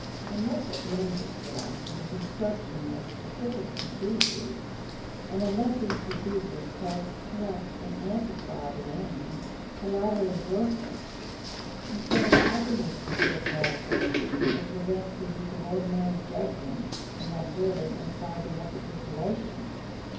Unless it lends itself to the construction of specific procedures, and unless these procedures test, correct, and amplify the aim, the latter is worthless. Instead of helping the specific task of teaching, it prevents the use of ordinary judgment in observing and sizing up the situation.